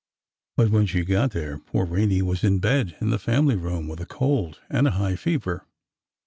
But when she got there, poor Rene was in bed in the family room with a cold and a high fever.